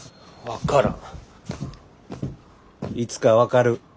いつか分かる。